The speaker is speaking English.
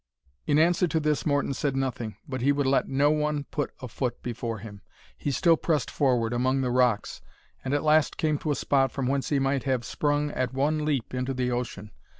In answer to this Morton said nothing, but he would let no one put a foot before him. He still pressed forward among the rocks, and at last came to a spot from whence he might have sprung at one leap into the ocean.